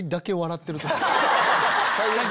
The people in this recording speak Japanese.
最悪。